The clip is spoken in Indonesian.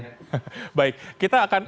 selamat malam bang amir